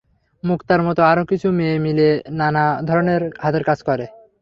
মুক্তার মতো আরও কিছু মেয়ে মিলে নানা ধরনের হাতের কাজ করে।